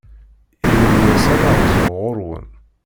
Yiwen wass, ad n-rzuɣ ɣur-wen.